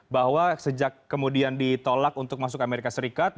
bahwa sejak kemudian ditolak untuk masuk amerika serikat